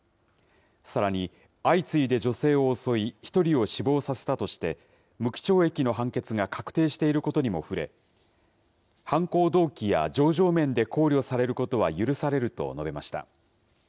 さらに、相次いで女性を襲い、１人を死亡させたとして、無期懲役の判決が確定していることにも触れ、犯行動機や情状面で考慮されることは許されると述べました。